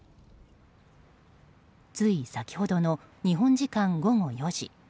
つい先ほどの日本時間午後４時。